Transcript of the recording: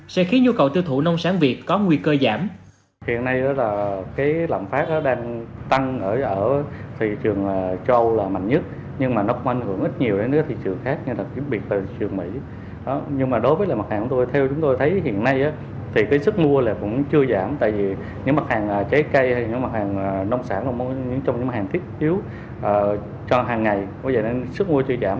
sẽ khiến nhu cầu tiêu thụ nông sản việt có nguy cơ giảm